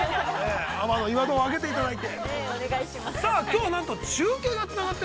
今の岩戸を開けていただいて。